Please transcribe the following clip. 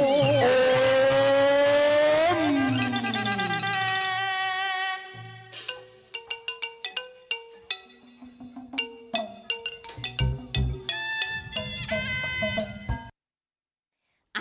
โอ้โอ้โอ้โอ้